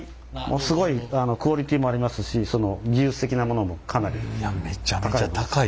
すごいクオリティーもありますしその技術的なものもかなり高い。